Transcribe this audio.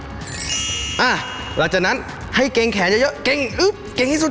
ครับอ่ะหลังจากนั้นให้เกรงแขนเยอะเยอะเกรงอุ๊บเกรงที่สุด